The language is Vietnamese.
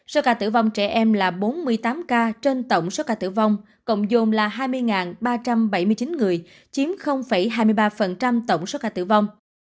số ca tử vong trẻ em là bốn mươi tám ca trên tổng số ca tử vong cộng dồn là hai mươi ba trăm bảy mươi chín người chiếm hai mươi ba tổng số ca tử vong